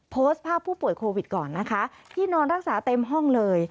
โพสต์ภาพผู้ป่วยโควิดก่อนนะคะที่นอนรักษาเต็มห้องเลย